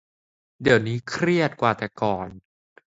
เดี๋ยวนี้เครียดกว่าแต่ก่อน